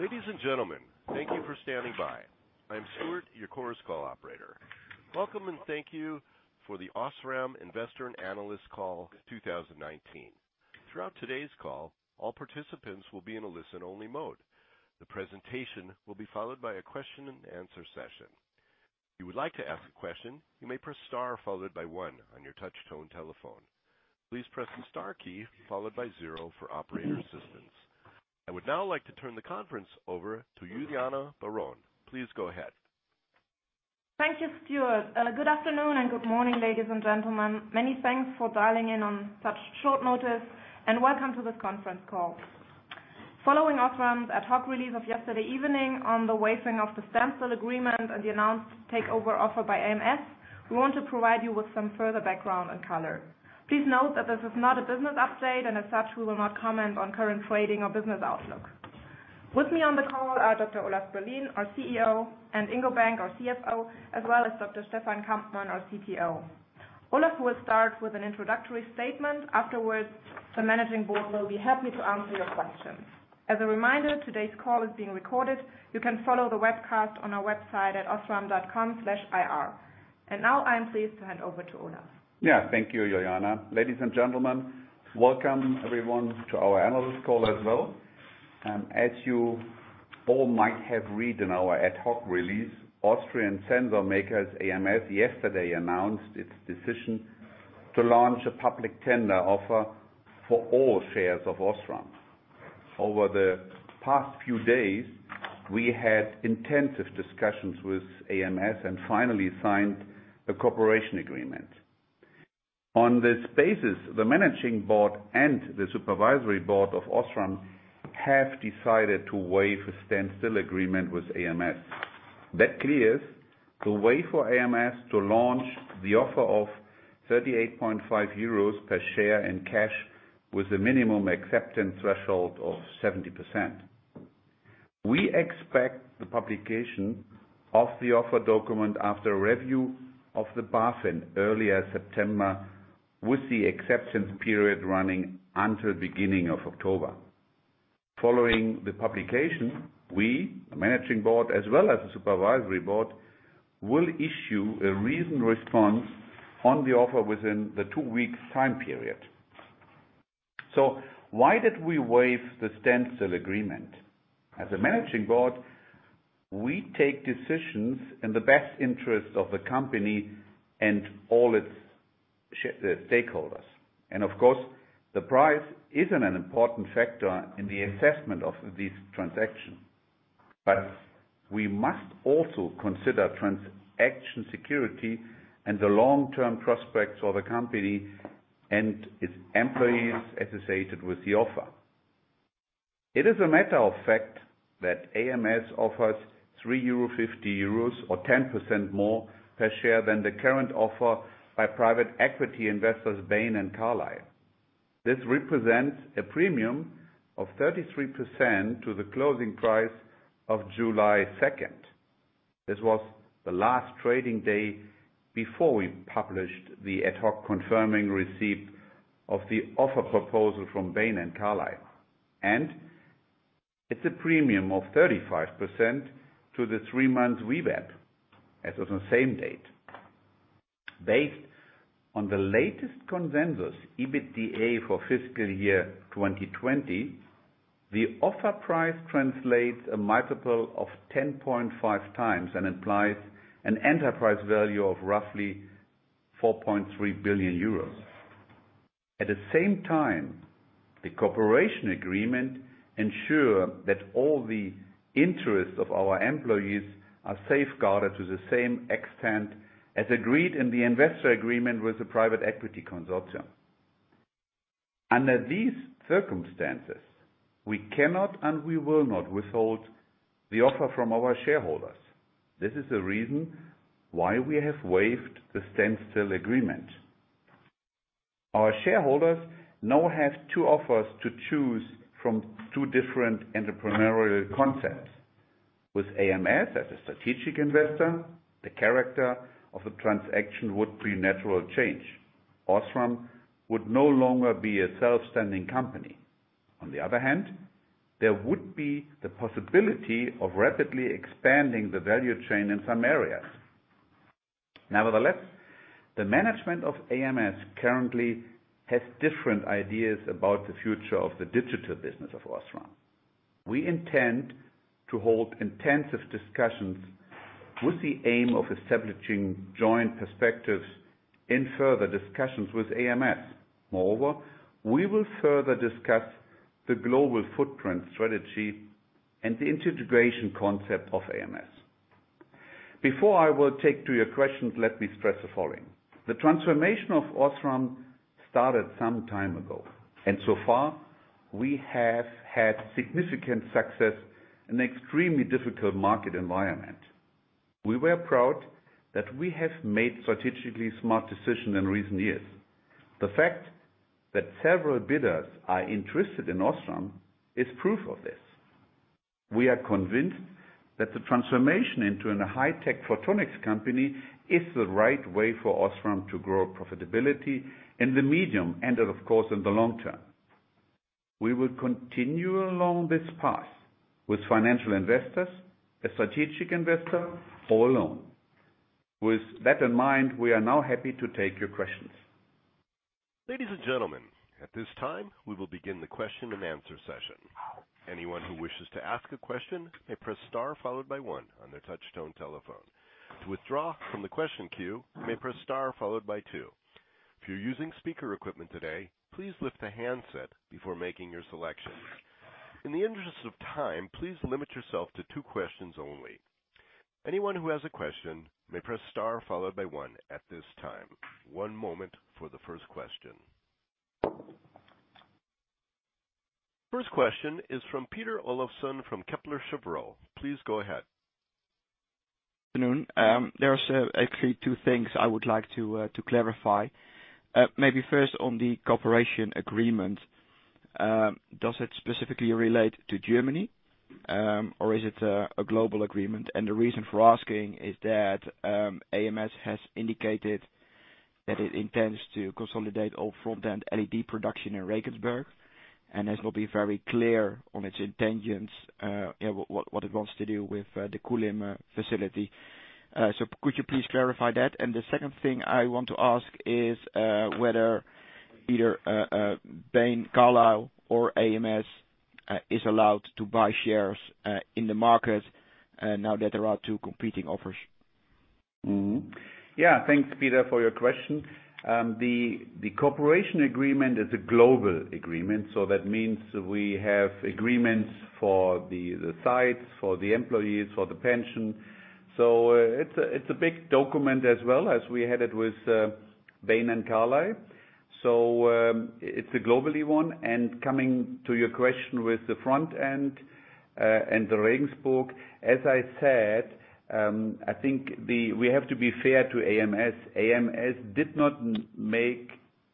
Ladies and gentlemen, thank you for standing by. I'm Stuart, your Chorus Call operator. Welcome, and thank you for the OSRAM Investor and Analyst Call 2019. Throughout today's call, all participants will be in a listen-only mode. The presentation will be followed by a question and answer session. If you would like to ask a question, you may press star followed by 1 on your touch-tone telephone. Please press the star key followed by 0 for operator assistance. I would now like to turn the conference over to Juliana Baron. Please go ahead. Thank you, Stuart. Good afternoon and good morning, ladies and gentlemen. Many thanks for dialing in on such short notice, and welcome to this conference call. Following OSRAM's ad hoc release of yesterday evening on the waiving of the standstill agreement and the announced takeover offer by ams, we want to provide you with some further background and color. Please note that this is not a business update, and as such, we will not comment on current trading or business outlook. With me on the call are Dr. Olaf Berlien, our CEO, and Ingo Bank, our CFO, as well as Dr. Stefan Kampmann, our CTO. Olaf will start with an introductory statement. Afterwards, the managing board will be happy to answer your questions. As a reminder, today's call is being recorded. You can follow the webcast on our website at osram.com/ir. Now I am pleased to hand over to Olaf. Yeah. Thank you, Juliana. Ladies and gentlemen, welcome, everyone, to our analyst call as well. As you all might have read in our ad hoc release, Austrian sensor makers ams yesterday announced its decision to launch a public tender offer for all shares of OSRAM. Over the past few days, we had intensive discussions with ams and finally signed a cooperation agreement. On this basis, the managing board and the supervisory board of OSRAM have decided to waive a standstill agreement with ams. That clears the way for ams to launch the offer of 38.5 euros per share in cash with a minimum acceptance threshold of 70%. We expect the publication of the offer document after review of the BaFin early September, with the acceptance period running until the beginning of October. Following the publication, we, the managing board, as well as the supervisory board, will issue a reasoned response on the offer within the two-week time period. Why did we waive the standstill agreement? As a managing board, we take decisions in the best interest of the company and all its stakeholders. Of course, the price isn't an important factor in the assessment of this transaction. We must also consider transaction security and the long-term prospects for the company and its employees associated with the offer. It is a matter of fact that ams offers 3.50 euro or 10% more per share than the current offer by private equity investors, Bain and Carlyle. This represents a premium of 33% to the closing price of July 2nd. This was the last trading day before we published the ad hoc confirming receipt of the offer proposal from Bain and Carlyle. It's a premium of 35% to the three months VWAP as of the same date. Based on the latest consensus EBITDA for fiscal year 2020, the offer price translates a multiple of 10.5x and implies an enterprise value of roughly 4.3 billion euros. At the same time, the cooperation agreement ensure that all the interests of our employees are safeguarded to the same extent as agreed in the investor agreement with the private equity consortium. Under these circumstances, we cannot and we will not withhold the offer from our shareholders. This is the reason why we have waived the standstill agreement. Our shareholders now have two offers to choose from two different entrepreneurial concepts. With ams as a strategic investor, the character of the transaction would be natural change. OSRAM would no longer be a self-standing company. On the other hand, there would be the possibility of rapidly expanding the value chain in some areas. Nevertheless, the management of ams currently has different ideas about the future of the digital business of OSRAM. We intend to hold intensive discussions with the aim of establishing joint perspectives in further discussions with ams. Moreover, we will further discuss the global footprint strategy and the integration concept of ams. Before I will take to your questions, let me stress the following. The transformation of OSRAM started some time ago, and so far, we have had significant success in extremely difficult market environment. We were proud that we have made strategically smart decisions in recent years. The fact that several bidders are interested in OSRAM is proof of this. We are convinced that the transformation into a high-tech photonics company is the right way for OSRAM to grow profitability in the medium and, of course, in the long term. We will continue along this path with financial investors, a strategic investor, or alone. With that in mind, we are now happy to take your questions. Ladies and gentlemen, at this time, we will begin the question and answer session. Anyone who wishes to ask a question may press star followed by one on their touch-tone telephone. To withdraw from the question queue, you may press star followed by two. If you're using speaker equipment today, please lift the handset before making your selection. In the interest of time, please limit yourself to two questions only. Anyone who has a question may press star followed by one at this time. One moment for the first question. First question is from Peter Olofsen from Kepler Cheuvreux. Please go ahead. Good afternoon. There are actually two things I would like to clarify. Maybe first on the cooperation agreement. Does it specifically relate to Germany, or is it a global agreement? The reason for asking is that ams has indicated that it intends to consolidate all front-end LED production in Regensburg, and has not been very clear on its intentions, what it wants to do with the Kulim facility. Could you please clarify that? The second thing I want to ask is whether either Bain, Carlyle, or ams is allowed to buy shares in the market now that there are two competing offers. Thanks, Peter, for your question. The cooperation agreement is a global agreement, so that means we have agreements for the sites, for the employees, for the pension. It's a big document as well as we had it with Bain and Carlyle. It's a globally one. Coming to your question with the front end and the Regensburg, as I said, I think we have to be fair to ams. ams did not make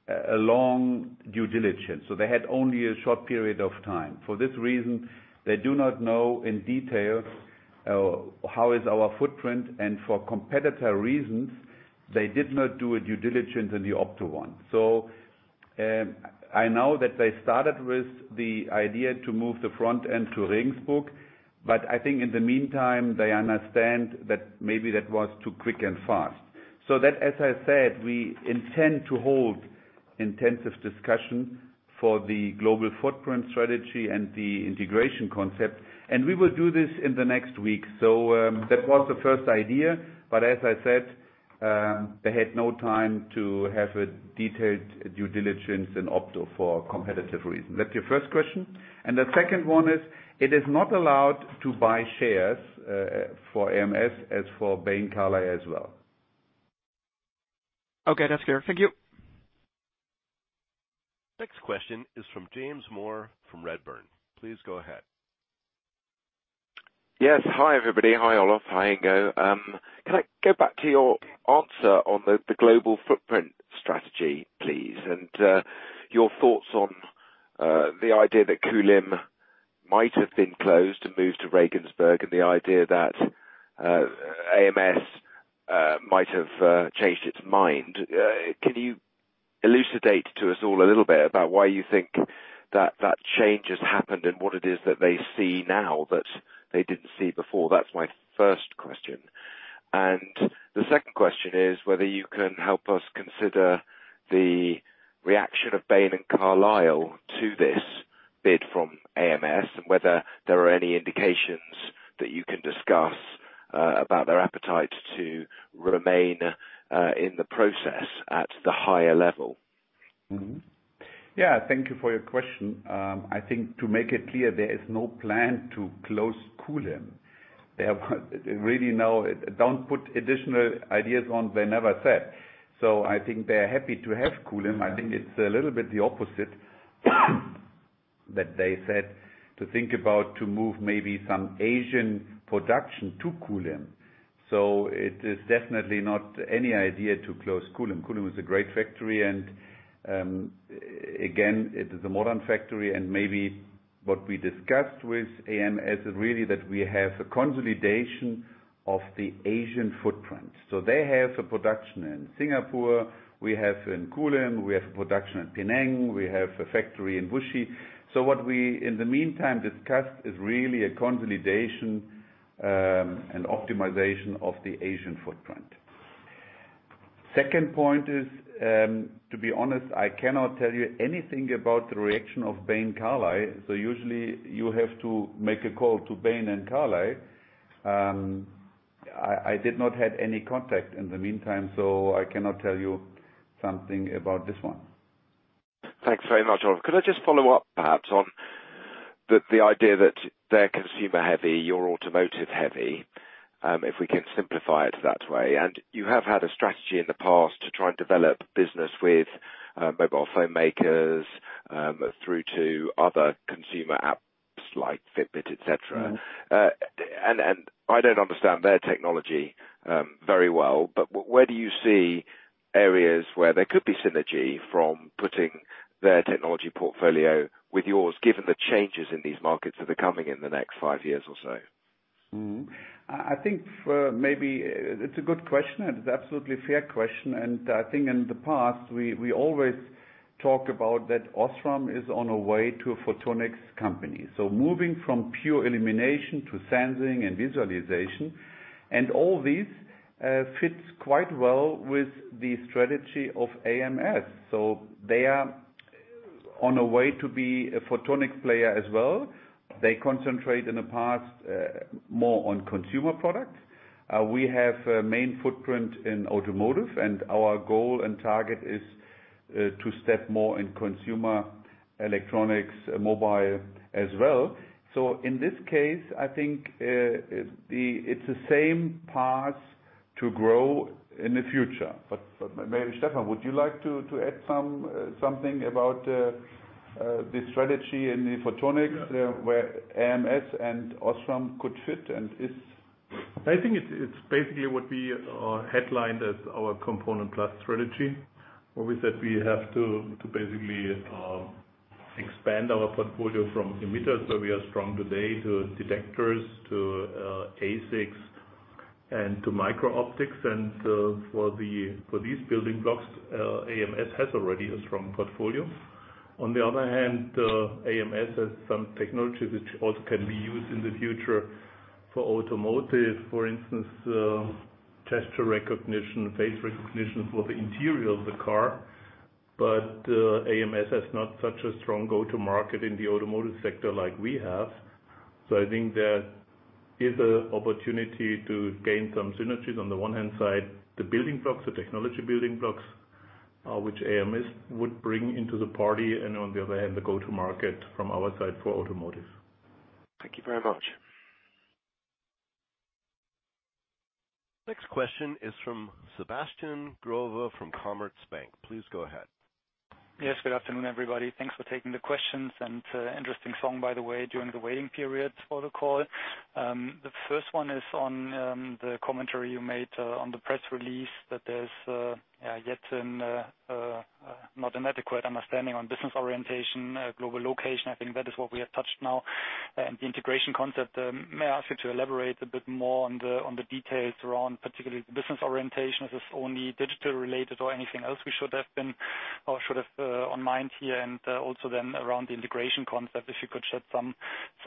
a long due diligence, so they had only a short period of time. For this reason, they do not know in detail how is our footprint, and for competitor reasons, they did not do a due diligence in the Opto one. I know that they started with the idea to move the front end to Regensburg, but I think in the meantime, they understand that maybe that was too quick and fast. That, as I said, we intend to hold intensive discussion for the global footprint strategy and the integration concept, and we will do this in the next week. That was the first idea. As I said, they had no time to have a detailed due diligence in Opto for competitive reasons. That's your first question. The second one is, it is not allowed to buy shares for ams as for Bain, Carlyle as well. Okay, that's clear. Thank you. Next question is from James Moore from Redburn. Please go ahead. Yes. Hi, everybody. Hi, Olaf. Hi, Ingo. Can I go back to your answer on the global footprint strategy, please? Your thoughts on the idea that Kulim might have been closed and moved to Regensburg and the idea that ams might have changed its mind. Can you elucidate to us all a little bit about why you think that that change has happened and what it is that they see now that they didn't see before? That's my first question. The second question is whether you can help us consider the reaction of Bain and Carlyle to this bid from ams, whether there are any indications that you can discuss about their appetite to remain in the process at the higher level. Yeah. Thank you for your question. To make it clear, there is no plan to close Kulim. Now, don't put additional ideas on they never said. They're happy to have Kulim. It's a little bit the opposite that they said to think about to move maybe some Asian production to Kulim. It is definitely not any idea to close Kulim. Kulim is a great factory and, again, it is a modern factory and maybe what we discussed with ams is really that we have a consolidation of the Asian footprint. They have a production in Singapore, we have in Kulim, we have a production in Penang, we have a factory in Wuxi. What we, in the meantime, discussed is really a consolidation and optimization of the Asian footprint. Second point is, to be honest, I cannot tell you anything about the reaction of Bain, Carlyle. Usually you have to make a call to Bain and Carlyle. I did not have any contact in the meantime, so I cannot tell you something about this one. Thanks very much, Olaf. Could I just follow up perhaps on the idea that they're consumer heavy, you're automotive heavy, if we can simplify it that way. You have had a strategy in the past to try and develop business with mobile phone makers through to other consumer apps like Fitbit, et cetera. I don't understand their technology very well, but where do you see areas where there could be synergy from putting their technology portfolio with yours, given the changes in these markets that are coming in the next five years or so? I think maybe it's a good question, and it's absolutely a fair question. I think in the past, we always talk about that OSRAM is on a way to a photonics company. Moving from pure illumination to sensing and visualization, and all these fits quite well with the strategy of ams. They are on a way to be a photonics player as well. They concentrate in the past more on consumer products. We have a main footprint in automotive, and our goal and target is to step more in consumer electronics, mobile as well. In this case, I think it's the same path to grow in the future. Maybe, Stefan, would you like to add something about the strategy in the photonics where ams and OSRAM could fit? I think it's basically what we headlined as our component plus strategy, where we said we have to basically expand our portfolio from emitters, where we are strong today, to detectors, to ASICs, and to micro-optics. For these building blocks, ams has already a strong portfolio. On the other hand, ams has some technology which also can be used in the future for automotive, for instance, gesture recognition, face recognition for the interior of the car. ams has not such a strong go-to-market in the automotive sector like we have. I think there is an opportunity to gain some synergies. On the one hand side, the building blocks, the technology building blocks, which ams would bring into the party, and on the other hand, the go-to-market from our side for automotive. Thank you very much. Next question is from Sebastian Growe from Commerzbank. Please go ahead. Yes, good afternoon, everybody. Thanks for taking the questions, interesting song, by the way, during the waiting period for the call. The first one is on the commentary you made on the press release that there's yet not an adequate understanding on business orientation, global location. I think that is what we have touched now and the integration concept. May I ask you to elaborate a bit more on the details around particularly the business orientation? Is this only digital related or anything else we should have in or should have on mind here? Also then around the integration concept, if you could shed some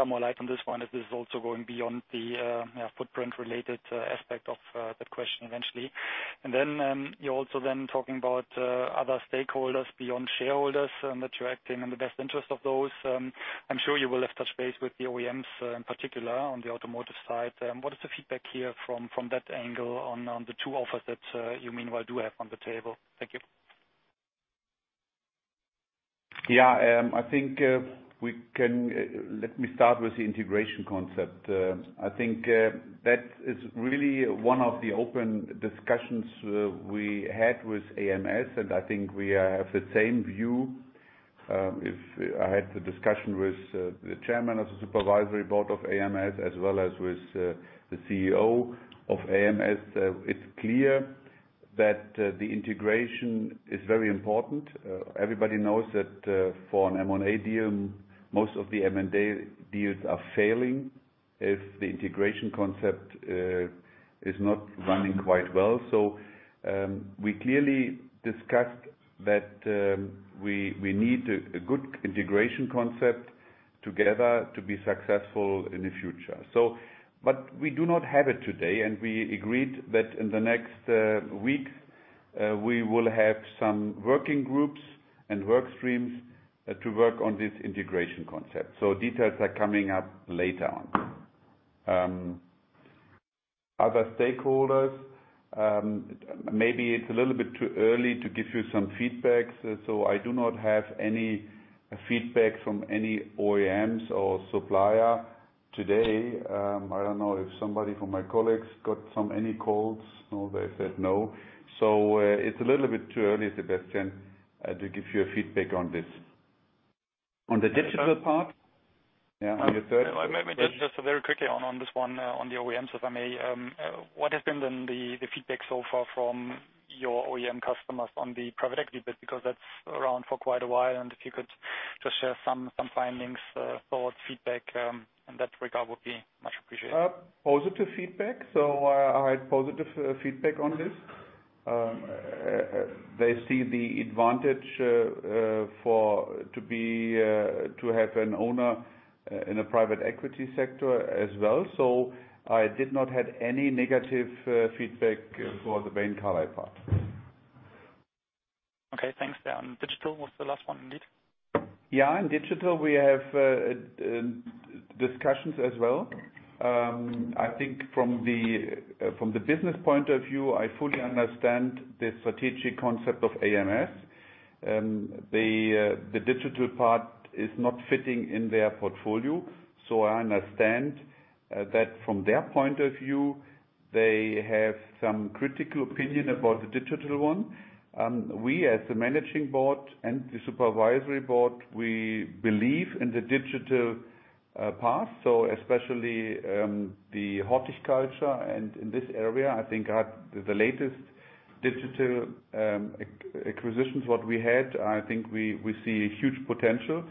more light on this one, as this is also going beyond the footprint related aspect of that question eventually. You're also then talking about other stakeholders beyond shareholders and that you're acting in the best interest of those. I'm sure you will have touched base with the OEMs, in particular on the automotive side. What is the feedback here from that angle on the two offers that you meanwhile do have on the table? Thank you. Yeah. Let me start with the integration concept. I think that is really one of the open discussions we had with ams, and I think we have the same view. I had the discussion with the chairman of the supervisory board of ams as well as with the CEO of ams. It's clear that the integration is very important. Everybody knows that for an M&A deal, most of the M&A deals are failing if the integration concept is not running quite well. We clearly discussed that we need a good integration concept together to be successful in the future. We do not have it today, and we agreed that in the next week, we will have some working groups and work streams to work on this integration concept. Details are coming up later on. Other stakeholders, maybe it's a little bit too early to give you some feedback. I do not have any feedback from any OEMs or supplier today. I don't know if somebody from my colleagues got any calls. No, they said no. It's a little bit too early, Sebastian, to give you a feedback on this. On the digital part? Yeah, on your third question. Maybe just very quickly on this one, on the OEMs, if I may. What has been then the feedback so far from your OEM customers on the private equity bit? That's around for quite a while. If you could just share some findings, thoughts, feedback, in that regard would be much appreciated. Positive feedback. I had positive feedback on this. They see the advantage to have an owner in a private equity sector as well. I did not have any negative feedback for the Bain Capital part. Okay, thanks. Yeah, on digital was the last one, indeed. Yeah, on digital, we have discussions as well. I think from the business point of view, I fully understand the strategic concept of ams. The digital part is not fitting in their portfolio. I understand that from their point of view. They have some critical opinion about the digital one. We, as the managing board and the supervisory board, we believe in the digital path. Especially, the horticulture and in this area, I think the latest digital acquisitions what we had, I think we see huge potential.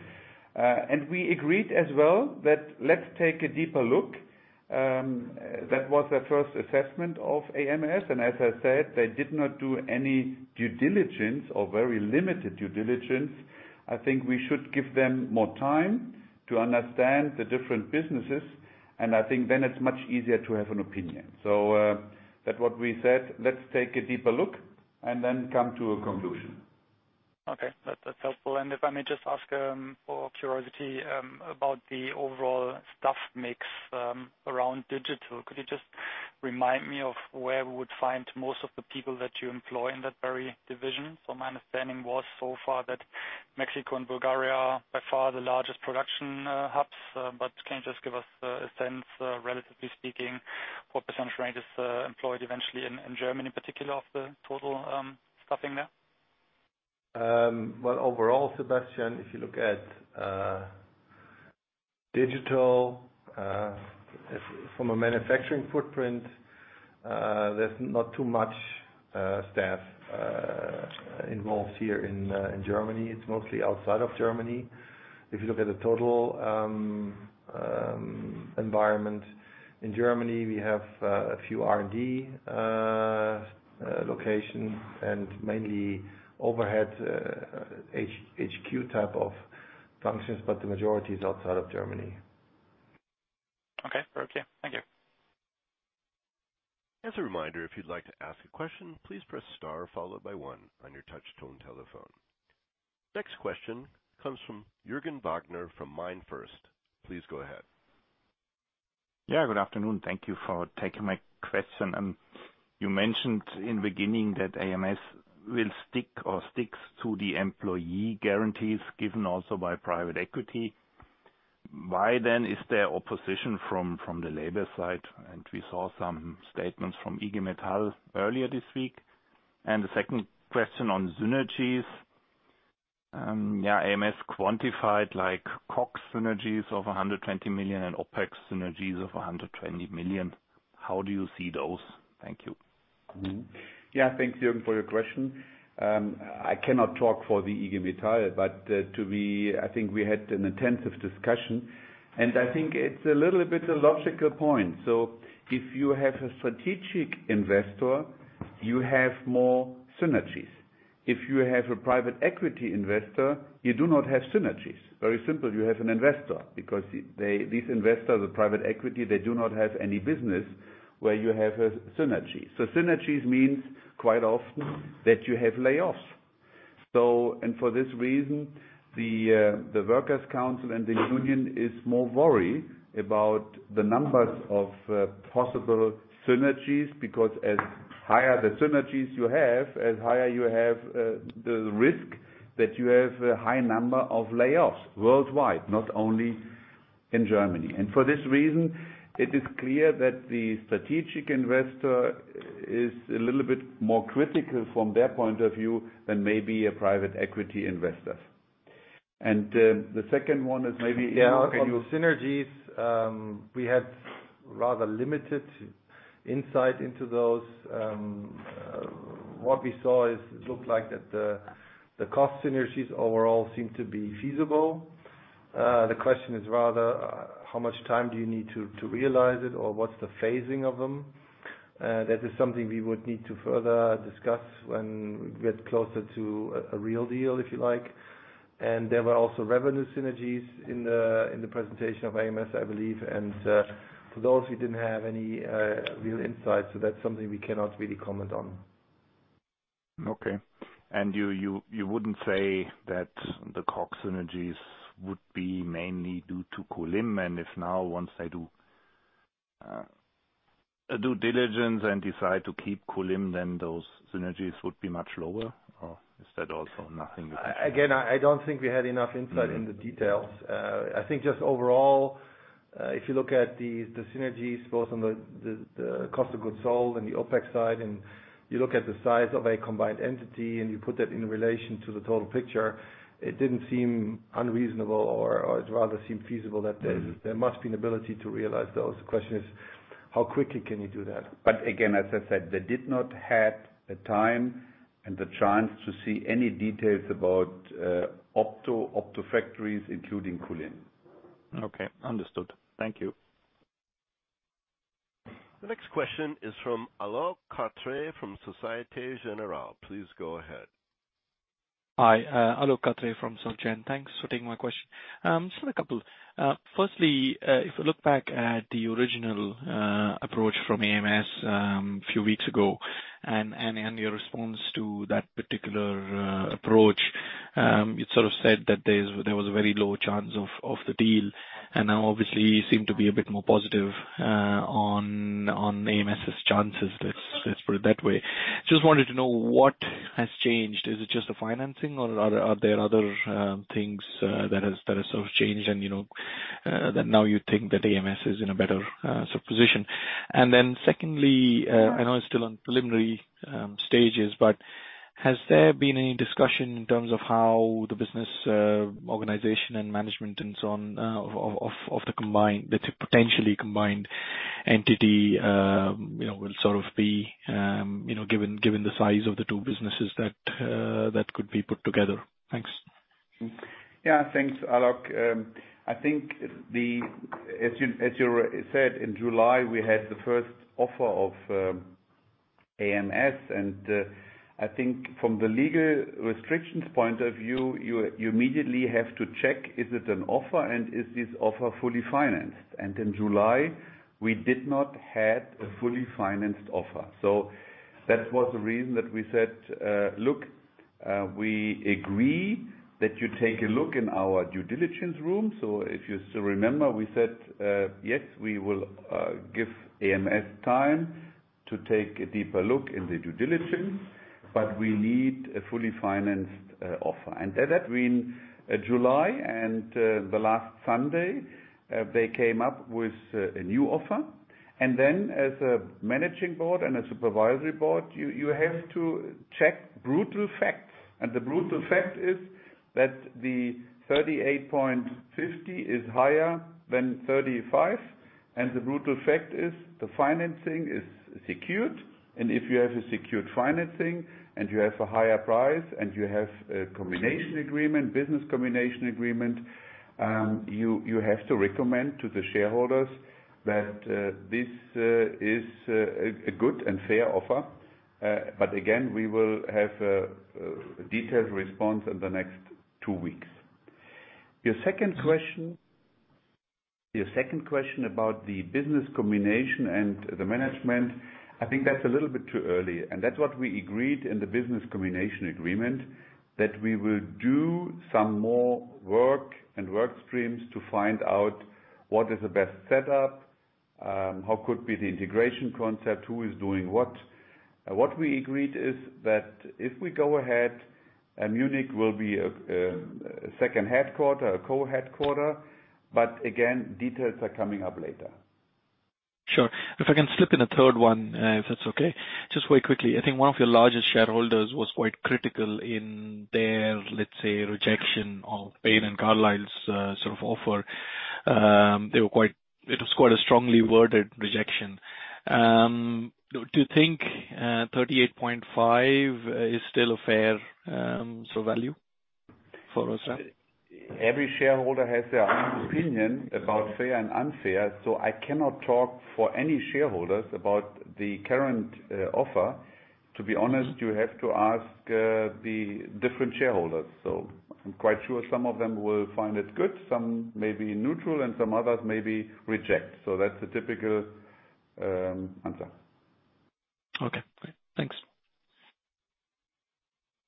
We agreed as well that let's take a deeper look. That was the first assessment of ams. As I said, they did not do any due diligence or very limited due diligence. I think we should give them more time to understand the different businesses, and I think then it's much easier to have an opinion. That what we said, let's take a deeper look and then come to a conclusion. Okay. That's helpful. If I may just ask, for curiosity, about the overall staff mix around digital. Could you just remind me of where we would find most of the people that you employ in that very division? My understanding was so far that Mexico and Bulgaria are by far the largest production hubs. Can you just give us a sense, relatively speaking, what percentage range is employed eventually in Germany, in particular of the total staffing there? Well, overall, Sebastian, if you look at digital, from a manufacturing footprint, there's not too much staff involved here in Germany. It's mostly outside of Germany. If you look at the total environment in Germany, we have a few R&D locations and mainly overhead HQ type of functions, but the majority is outside of Germany. Okay. Thank you. As a reminder, if you'd like to ask a question, please press star followed by one on your touch tone telephone. Next question comes from Jürgen Wagner from MainFirst. Please go ahead. Yeah, good afternoon. Thank you for taking my question. You mentioned in the beginning that ams will stick or sticks to the employee guarantees given also by private equity. Why is there opposition from the labor side? We saw some statements from IG Metall earlier this week. The second question on synergies. Yeah, ams quantified like COGS synergies of 120 million and OpEx synergies of 120 million. How do you see those? Thanks, Jürgen, for your question. I cannot talk for the IG Metall, to me, I think we had an intensive discussion, and I think it's a little bit a logical point. If you have a strategic investor, you have more synergies. If you have a private equity investor, you do not have synergies. Very simple. You have an investor because these investors are private equity, they do not have any business where you have a synergy. Synergies means quite often that you have layoffs. For this reason, the workers council and the union is more worried about the numbers of possible synergies because as higher the synergies you have, as higher you have the risk that you have a high number of layoffs worldwide, not only in Germany. For this reason, it is clear that the strategic investor is a little bit more critical from their point of view than maybe a private equity investor. Yeah, on synergies, we had rather limited insight into those. What we saw is it looked like that the cost synergies overall seem to be feasible. The question is rather, how much time do you need to realize it or what's the phasing of them? That is something we would need to further discuss when we get closer to a real deal, if you like. There were also revenue synergies in the presentation of ams, I believe. For those we didn't have any real insight. That's something we cannot really comment on. Okay. You wouldn't say that the COGS synergies would be mainly due to Kulim, and if now once they do due diligence and decide to keep Kulim, then those synergies would be much lower? Is that also nothing you can say? I don't think we had enough insight in the details. I think just overall, if you look at the synergies both on the Cost of Goods Sold and the OpEx side, and you look at the size of a combined entity and you put that in relation to the total picture, it didn't seem unreasonable or it rather seemed feasible that there must be an ability to realize those. The question is, how quickly can you do that? Again, as I said, they did not have the time and the chance to see any details about Opto factories, including Kulim. Okay, understood. Thank you. The next question is from Alok Katre from Société Générale. Please go ahead. Hi, Alok Katre from Soc Gen. Thanks for taking my question. Just have a couple. Firstly, if you look back at the original approach from ams, a few weeks ago and your response to that particular approach, it sort of said that there was a very low chance of the deal and now obviously you seem to be a bit more positive on ams' chances. Let's put it that way. Just wanted to know what has changed. Is it just the financing or are there other things that has sort of changed That now you think that ams is in a better position. Secondly, I know it's still in preliminary stages, but has there been any discussion in terms of how the business organization and management and so on of the potentially combined entity will be, given the size of the two businesses that could be put together? Thanks. Yeah, thanks, Alok. I think as you said, in July, we had the first offer of ams. I think from the legal restrictions point of view, you immediately have to check, is it an offer and is this offer fully financed? That was the reason that we said, look, we agree that you take a look in our due diligence room. If you still remember, we said, yes, we will give ams time to take a deeper look in the due diligence, but we need a fully financed offer. Between July and the last Sunday, they came up with a new offer. Then as a managing board and a supervisory board, you have to check brutal facts. The brutal fact is that the 38.50 is higher than 35. The brutal fact is the financing is secured. If you have a secured financing and you have a higher price and you have a business combination agreement, you have to recommend to the shareholders that this is a good and fair offer. Again, we will have a detailed response in the next two weeks. Your second question about the business combination and the management, I think that's a little bit too early. That's what we agreed in the business combination agreement, that we will do some more work and work streams to find out what is the best setup, how could be the integration concept, who is doing what. What we agreed is that if we go ahead, Munich will be a second headquarter, a co-headquarter. Again, details are coming up later. Sure. If I can slip in a third one, if that's okay. Just very quickly, I think one of your largest shareholders was quite critical in their, let's say, rejection of Bain and Carlyle's offer. It was quite a strongly worded rejection. Do you think 38.5 is still a fair value for OSRAM? Every shareholder has their own opinion about fair and unfair, so I cannot talk for any shareholders about the current offer. To be honest, you have to ask the different shareholders. I'm quite sure some of them will find it good, some may be neutral, and some others may be reject. That's the typical answer. Okay, great. Thanks.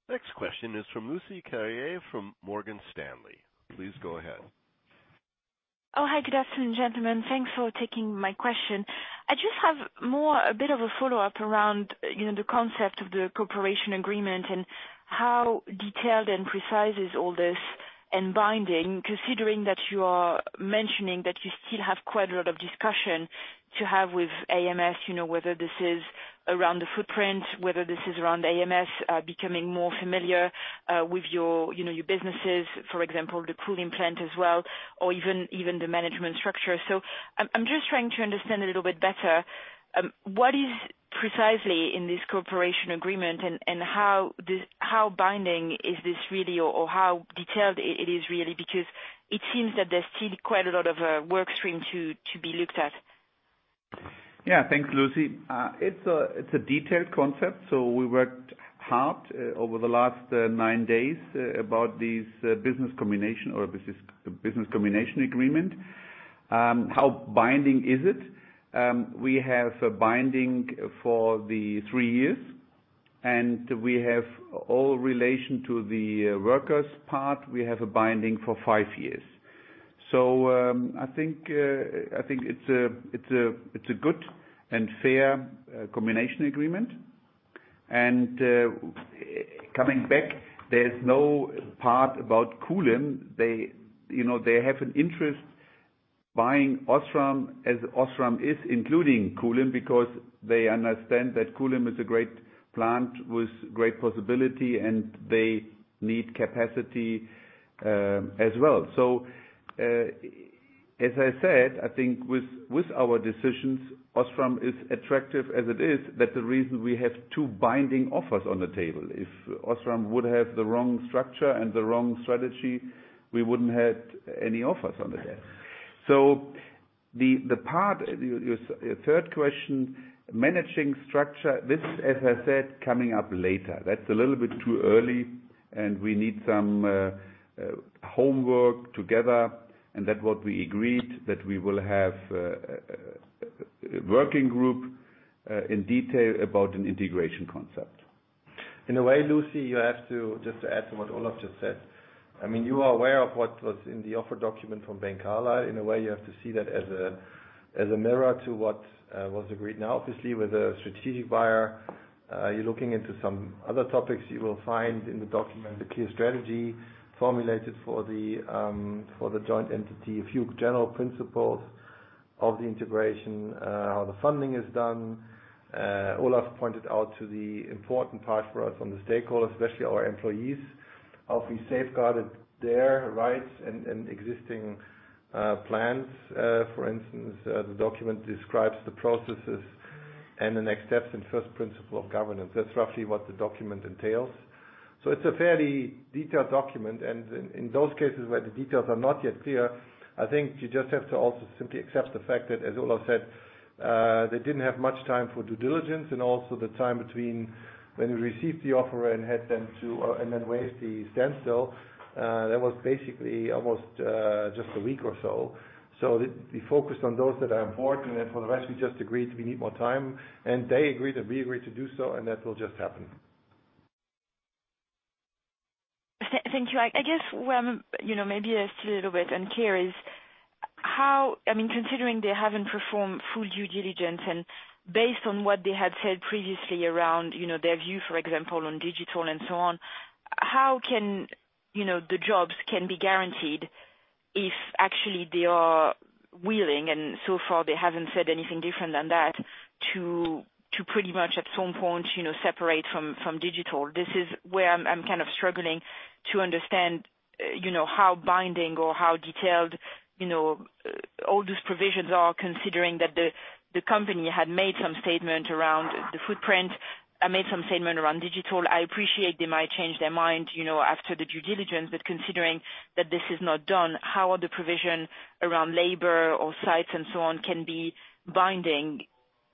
Next question is from Lucie Carrier from Morgan Stanley. Please go ahead. Oh, hi. Good afternoon, gentlemen. Thanks for taking my question. I just have a bit of a follow-up around the concept of the cooperation agreement and how detailed and precise is all this and binding, considering that you are mentioning that you still have quite a lot of discussion to have with ams, whether this is around the footprint, whether this is around ams becoming more familiar with your businesses, for example, the Kulim plant as well, or even the management structure. I'm just trying to understand a little bit better, what is precisely in this cooperation agreement and how binding is this really or how detailed it is really? Because it seems that there's still quite a lot of work stream to be looked at. Yeah, thanks, Lucie. It's a detailed concept. We worked hard over the last nine days about this business combination or business combination agreement. How binding is it? We have a binding for the three years, and we have all relation to the workers part. We have a binding for five years. I think it's a good and fair combination agreement. Coming back, there's no part about Kulim. They have an interest buying OSRAM as OSRAM is including Kulim because they understand that Kulim is a great plant with great possibility, and they need capacity as well. As I said, I think with our decisions, OSRAM is attractive as it is. That's the reason we have two binding offers on the table. If OSRAM would have the wrong structure and the wrong strategy, we wouldn't have any offers on the table. The part, your third question, managing structure, this, as I said, coming up later. That's a little bit too early, and we need some homework together, and that what we agreed, that we will have a working group in detail about an integration concept. In a way, Lucie, you have to just add to what Olaf just said. You are aware of what was in the offer document from Bain Capital. In a way, you have to see that as a mirror to what was agreed. Now, obviously, with a strategic buyer. You're looking into some other topics you will find in the document, the clear strategy formulated for the joint entity. A few general principles of the integration, how the funding is done. Olaf pointed out to the important part for us on the stakeholders, especially our employees. How have we safeguarded their rights and existing plans. For instance, the document describes the processes and the next steps in first principle of governance. That's roughly what the document entails. It's a fairly detailed document, and in those cases where the details are not yet clear, I think you just have to also simply accept the fact that, as Olaf said, they didn't have much time for due diligence and also the time between when we received the offer and then waived the standstill, that was basically almost just a week or so. We focused on those that are important, and for the rest, we just agreed we need more time, and they agreed, and we agreed to do so, and that will just happen. Thank you. I guess maybe it's still a little bit unclear is, considering they haven't performed full due diligence and based on what they had said previously around their view, for example, on digital and so on, how can the jobs be guaranteed if actually they are willing, and so far they haven't said anything different than that, to pretty much at some point separate from digital? This is where I'm kind of struggling to understand how binding or how detailed all those provisions are, considering that the company had made some statement around the footprint and made some statement around digital. I appreciate they might change their mind after the due diligence. Considering that this is not done, how can the provision around labor or sites and so on be binding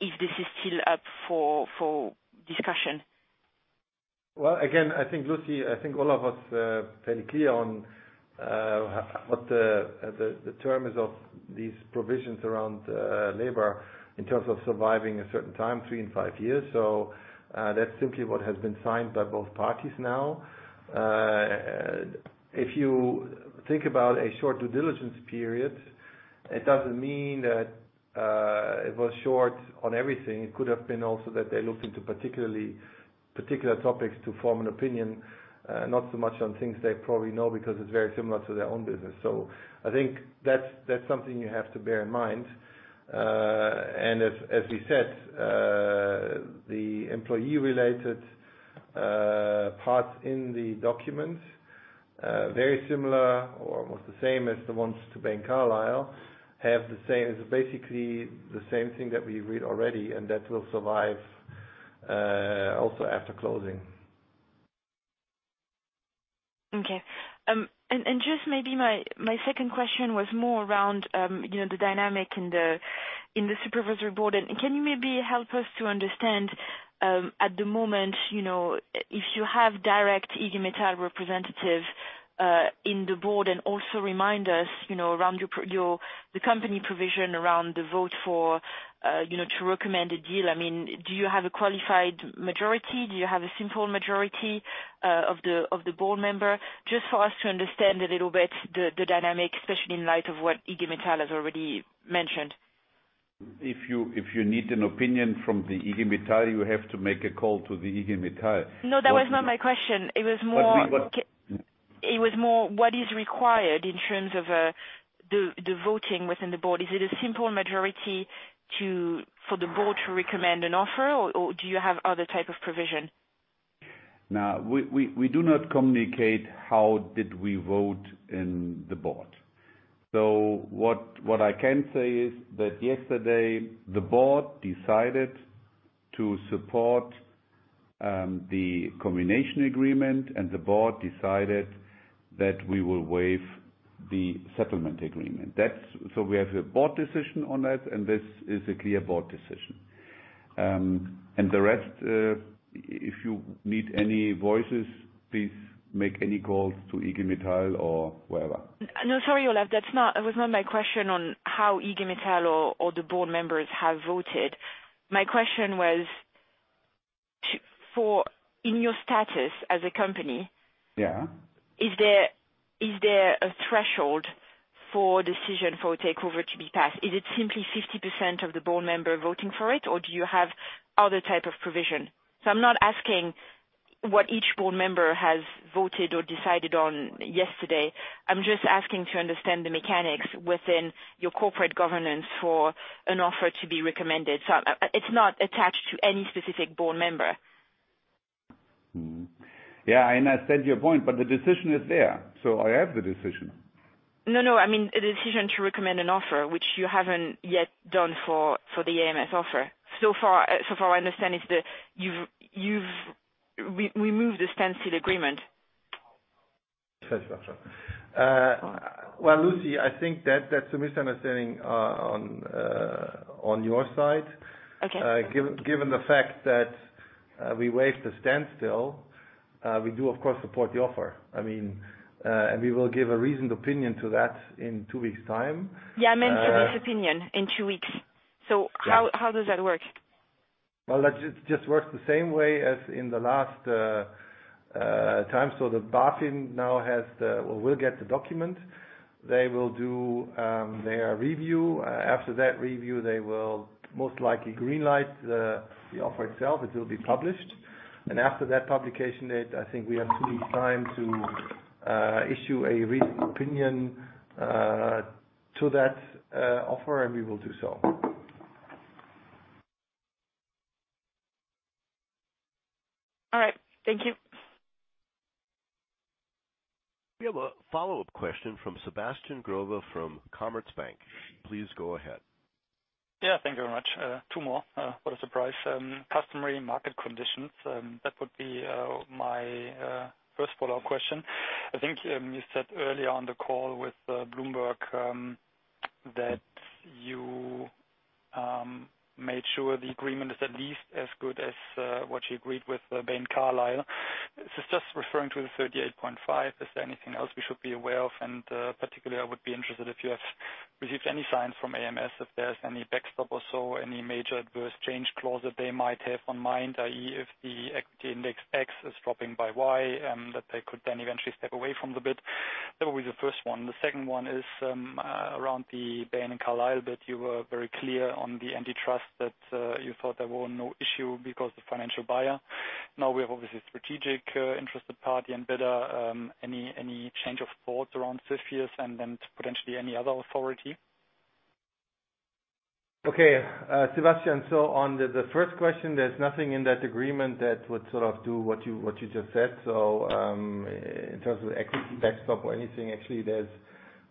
if this is still up for discussion? Well, again, I think, Lucie, all of us are fairly clear on what the terms of these provisions around labor in terms of surviving a certain time, three and five years. That's simply what has been signed by both parties now. If you think about a short due diligence period, it doesn't mean that it was short on everything. It could have been also that they looked into particular topics to form an opinion, not so much on things they probably know because it's very similar to their own business. I think that's something you have to bear in mind. As we said, the employee-related parts in the document are very similar or almost the same as the ones to Bain Carlyle, have the same. It's basically the same thing that we read already, and that will survive, also after closing. Okay. Just maybe my second question was more around the dynamic in the supervisory board. Can you maybe help us to understand, at the moment, if you have direct IG Metall representative in the board and also remind us around the company provision around the vote to recommend a deal. Do you have a qualified majority? Do you have a simple majority of the board member? Just for us to understand a little bit the dynamic, especially in light of what IG Metall has already mentioned. If you need an opinion from the IG Metall, you have to make a call to the IG Metall. No, that was not my question. It was more- But we would- It was more what is required in terms of the voting within the board. Is it a simple majority for the board to recommend an offer, or do you have other type of provision? No, we do not communicate how did we vote in the board. What I can say is that yesterday the board decided to support the combination agreement, and the board decided that we will waive the settlement agreement. We have a board decision on that, and this is a clear board decision. The rest, if you need any voices, please make any calls to IG Metall or wherever. No, sorry, Olaf. That was not my question on how IG Metall or the board members have voted. My question was in your status as a company- Yeah Is there a threshold for decision for a takeover to be passed? Is it simply 50% of the board member voting for it, or do you have other type of provision? I'm not asking what each board member has voted or decided on yesterday. I'm just asking to understand the mechanics within your corporate governance for an offer to be recommended. It's not attached to any specific board member. Yeah, I understand your point, but the decision is there, so I have the decision. No, no. I mean a decision to recommend an offer, which you haven't yet done for the ams offer. So far I understand is that you've removed the standstill agreement. That's right. Well, Lucie, I think that's a misunderstanding on your side. Okay. Given the fact that we waived the standstill, we do, of course, support the offer. We will give a reasoned opinion to that in two weeks' time. Yeah, I meant for this opinion in two weeks. How does that work? Well, that just works the same way as in the last time. The BaFin now will get the document. They will do their review. After that review, they will most likely green light the offer itself. It will be published. After that publication date, I think we have two weeks time to issue a reasoned opinion to that offer, and we will do so. All right. Thank you. We have a follow-up question from Sebastian Growe from Commerzbank. Please go ahead. Yeah, thank you very much. Two more. What a surprise. Customary market conditions, that would be my first follow-up question. I think you said earlier on the call with Bloomberg that you made sure the agreement is at least as good as what you agreed with Bain Carlyle. This is just referring to the 38.5. Is there anything else we should be aware of? Particularly, I would be interested if you have received any signs from ams, if there's any backstop or so, any major adverse change clause that they might have on mind, i.e., if the equity index X is dropping by Y, that they could then eventually step away from the bid. That will be the first one. The second one is around the Bain and Carlyle bit. You were very clear on the antitrust that you thought there were no issue because the financial buyer. We have obviously a strategic interested party in bidder. Any change of thoughts around CFIUS and then potentially any other authority? Okay. Sebastian, on the first question, there's nothing in that agreement that would sort of do what you just said. In terms of equity backstop or anything, actually,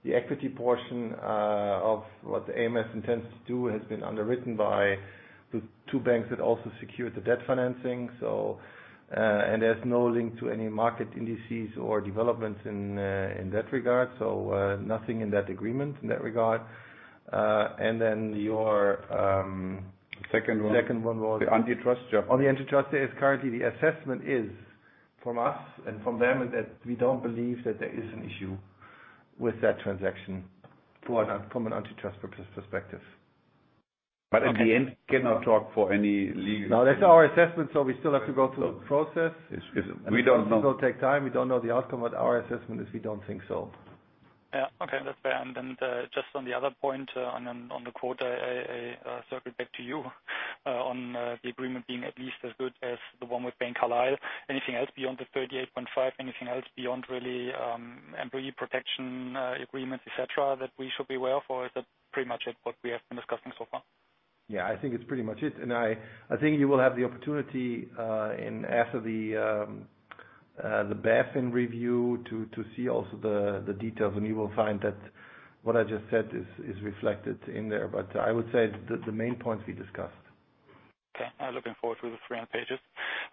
the equity portion of what the ams intends to do has been underwritten by the two banks that also secured the debt financing. There's no link to any market indices or developments in that regard. Nothing in that agreement in that regard. Second one. second one was- The antitrust job. On the antitrust, there is currently the assessment is from us and from them is that we don't believe that there is an issue with that transaction from an antitrust perspective. In the end, cannot talk for any legal. No, that's our assessment, so we still have to go through the process. Yes. It will take time. We don't know the outcome, but our assessment is we don't think so. Yeah. Okay. That's fair. Just on the other point on the quota, I circle back to you on the agreement being at least as good as the one with Bain Carlyle. Anything else beyond the 38.5? Anything else beyond really employee protection agreements, et cetera, that we should be aware of? Is that pretty much it what we have been discussing so far? Yeah, I think it's pretty much it. I think you will have the opportunity after the BaFin review to see also the details, and you will find that what I just said is reflected in there. I would say the main points we discussed. Okay. I'm looking forward to the 300 pages.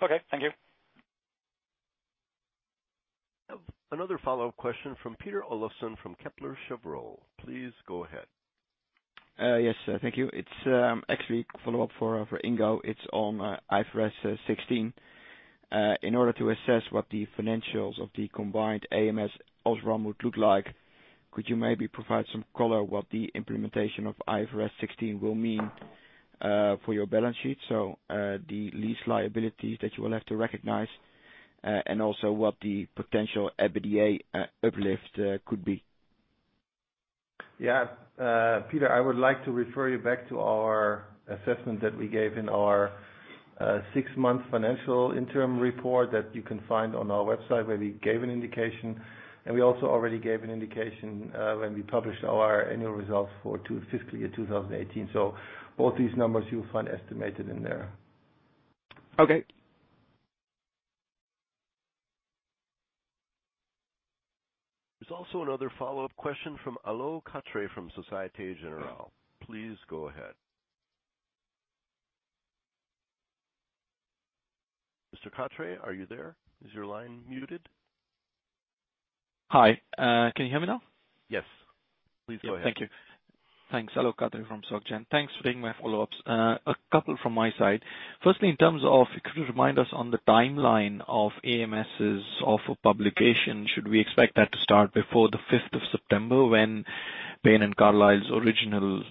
Okay. Thank you. We have another follow-up question from Peter Olofsen from Kepler Cheuvreux. Please go ahead. Yes. Thank you. It's actually a follow-up for Ingo. It's on IFRS 16. In order to assess what the financials of the combined ams OSRAM would look like, could you maybe provide some color what the implementation of IFRS 16 will mean for your balance sheet? The lease liabilities that you will have to recognize, and also what the potential EBITDA uplift could be. Yeah. Peter, I would like to refer you back to our assessment that we gave in our six-month financial interim report that you can find on our website, where we gave an indication. We also already gave an indication when we published our annual results for fiscal year 2018. Both these numbers you'll find estimated in there. Okay. There's also another follow-up question from Alok Katre from Société Générale. Please go ahead. Mr. Katre, are you there? Is your line muted? Hi. Can you hear me now? Yes. Please go ahead. Yeah. Thank you. Thanks. Alok Katre from Soc Gen. Thanks for taking my follow-ups. A couple from my side. Firstly, could you remind us on the timeline of ams's offer publication? Should we expect that to start before the fifth of September when Bain and Carlyle's original,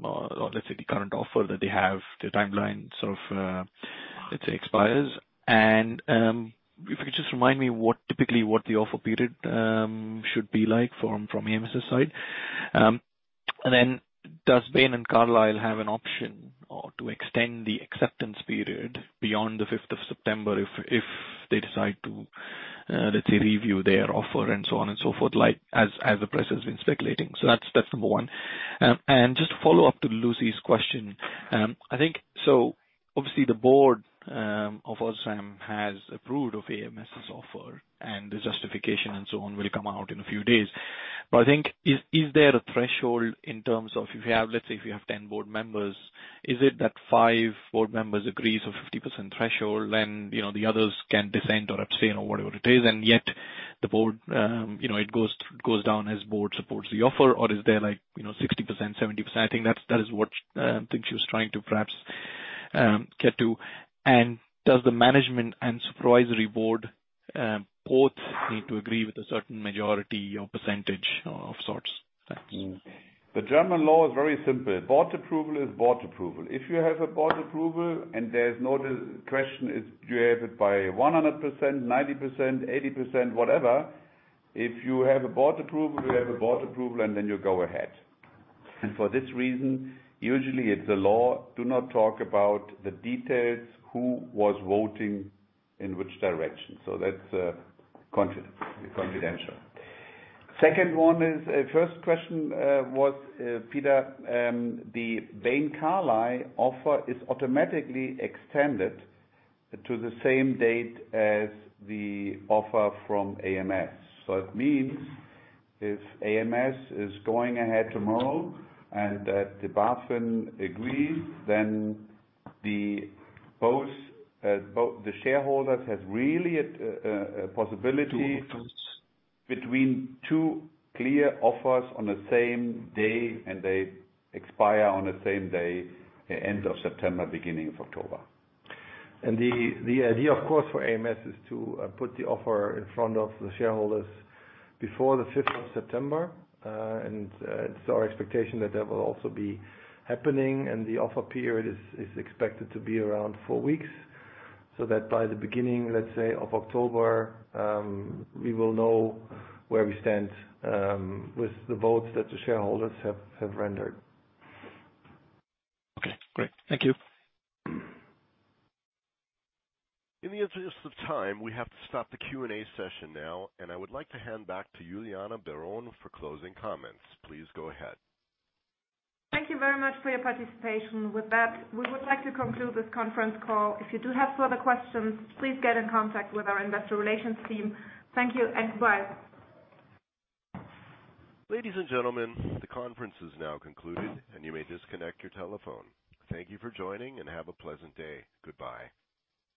or the current offer that they have, the timelines of, expires? If you could just remind me what typically the offer period should be like from ams's side. Does Bain and Carlyle have an option to extend the acceptance period beyond the fifth of September if they decide to review their offer and so on and so forth, as the press has been speculating? That's number one. Just to follow up to Lucie's question. Obviously the board of OSRAM has approved of ams's offer, and the justification and so on will come out in a few days. I think, is there a threshold in terms of, let's say if you have 10 board members, is it that five board members agrees or 50% threshold, then the others can descend or abstain or whatever it is, and yet it goes down as board supports the offer? Or is there like 60%, 70%? I think that is what I think she was trying to perhaps get to. Does the management and supervisory board both need to agree with a certain majority or percentage of sort? The German law is very simple. Board approval is board approval. If you have a board approval and there's no question it's driven by 100%, 90%, 80%, whatever. If you have a board approval, you have a board approval, then you go ahead. For this reason, usually it's the law to not talk about the details, who was voting in which direction. That's confidential. Second one is, first question was, Peter, the Bain Carlyle offer is automatically extended to the same date as the offer from ams. It means if ams is going ahead tomorrow and the BaFin agrees, then both the shareholders have really a possibility between two clear offers on the same day, and they expire on the same day, end of September, beginning of October. The idea, of course, for ams is to put the offer in front of the shareholders before the 5th of September. It's our expectation that that will also be happening and the offer period is expected to be around four weeks, so that by the beginning, let's say, of October, we will know where we stand with the votes that the shareholders have rendered. Okay, great. Thank you. In the interest of time, we have to stop the Q&A session now, and I would like to hand back to Juliana Baron for closing comments. Please go ahead. Thank you very much for your participation. With that, we would like to conclude this conference call. If you do have further questions, please get in contact with our investor relations team. Thank you and bye. Ladies and gentlemen, the conference is now concluded and you may disconnect your telephone. Thank you for joining and have a pleasant day. Goodbye.